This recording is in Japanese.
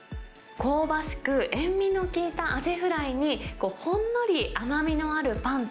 香ばしく、塩味の利いたアジフライに、ほんのり甘みのあるパン。